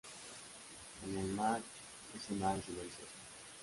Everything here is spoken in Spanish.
En el mar es un ave silenciosa.